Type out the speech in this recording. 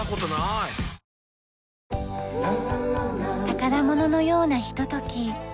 宝物のようなひととき。